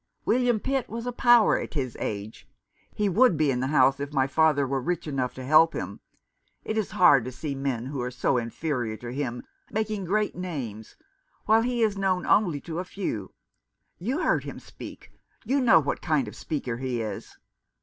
William Pitt was a power at his age. He would be in the House if my father were rich enough to help him. It is hard to see men who are so inferior to him making great names, while he is known only to a few. You heard him speak ; you know what kind of speaker he is."